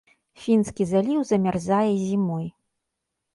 Фінскі заліў замярзае зімой.